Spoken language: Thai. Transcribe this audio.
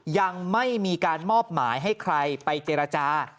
ยังไม่มีการมอบหมายให้ใครไปเจรจา